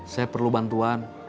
saya perlu bantuan